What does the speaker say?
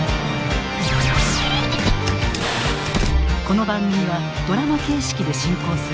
この番組はドラマ形式で進行する。